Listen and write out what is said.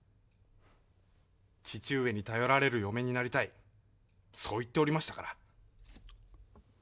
義父上に頼られる嫁になりたいそう言っておりましたから。